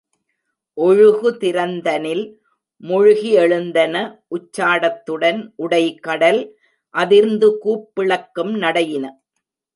ஒழுகுதி ரந்தனில் முழுகிஎ ழுந்தன உச்சா டத்துடன் உடைகடல் அதிர்ந்து கூப்பிளக்கும் நடையின.